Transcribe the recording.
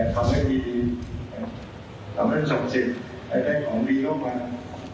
ทำให้มีสำคัญส่งเสียงให้ของพี่เข้ามา